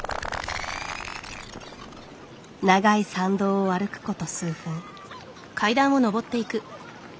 長い参道を歩くこと数分。